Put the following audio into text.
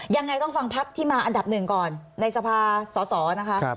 ยังไงต้องฟังพักที่มาอันดับหนึ่งก่อนในสภาสอสอนะคะ